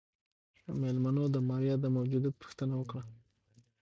مېلمنو د ماريا د موجوديت پوښتنه وکړه.